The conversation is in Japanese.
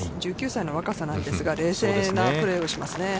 １９歳の若さなんですが、冷静なプレーをしますね。